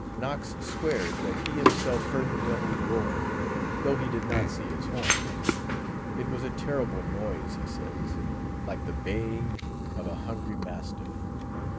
Knox swears that he himself heard the Devil roar, though he did not see his horns; it was a terrible noise, he says, like the baying of a hungry mastiff.